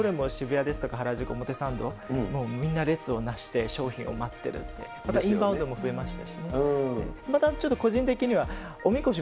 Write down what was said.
だからどれも渋谷ですとか原宿、表参道、みんな、列をなして商品を待ってるって、インバウンドも増えました。